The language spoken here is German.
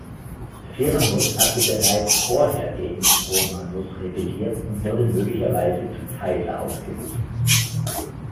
Firmus hatte bereits vorher gegen Romanus rebelliert und wurde möglicherweise zum Kaiser ausgerufen.